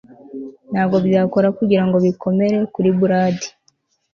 Ntabwo byakora kugirango bikomere kuri Brad